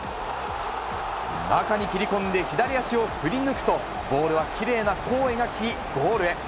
中に切り込んで左足を振り抜くと、ボールはきれいな弧を描きゴールへ。